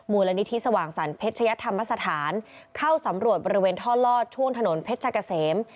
มูลนิธิสว่างสรรเพชยธรรมสถานเข้าสำรวจบริเวณท่อลอดช่วงถนนเพชรกะเสม